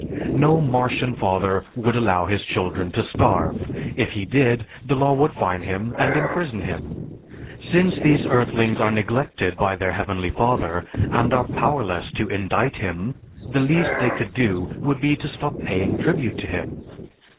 No Martian father would allow his children to starve; if he did, the law would fine him and imprison him. Since these earthlings are neglected by their Heavenly Father, and are powerless to indict him, the least they could do would be to stop paying tribute to him.